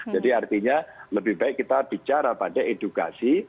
jadi artinya lebih baik kita bicara pada edukasi